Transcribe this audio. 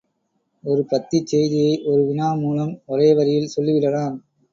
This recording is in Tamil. ஒரு பத்திச் செய்தியை ஒரு வினா மூலம் ஒரே வரியில் சொல்லி விடலாம்.